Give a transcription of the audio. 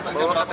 sama bawa ktp